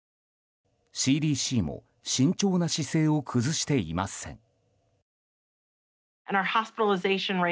ＣＤＣも慎重な姿勢を崩していません。